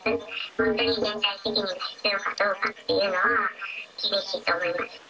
本当に連帯責任が必要かどうかっていうのは、厳しいと思います。